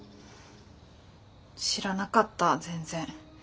知らなかった全然。